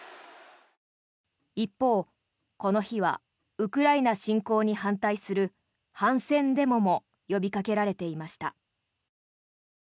一方、この日はウクライナ侵攻に反対する反戦デモも呼びかけられていました。